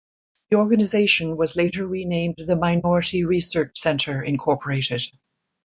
The organization was later renamed The Minority Research Center Inc.